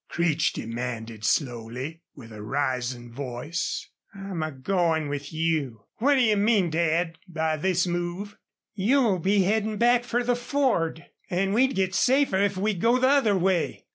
Creech demanded, slowly, with a rising voice. "I'm a goin' with you. What d'ye mean, Dad, by this move? You'll be headin' back fer the Ford. An' we'd git safer if we go the other way."